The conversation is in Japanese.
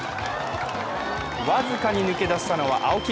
僅かに抜け出したのは青木。